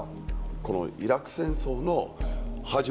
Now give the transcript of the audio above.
このイラク戦争の始まり